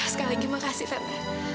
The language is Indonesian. sekali lagi makasih tante